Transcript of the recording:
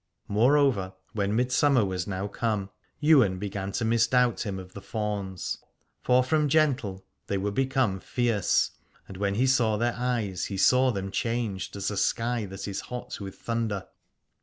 Moreover when midsummer was now come Ywain began to misdoubt him of the fauns: for from gentle they were become fierce, and when he saw their eyes he saw them changed, as a sky that is hot with thunder.